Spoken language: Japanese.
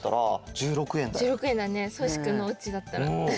１６えんだねそうしくんのおうちだったら。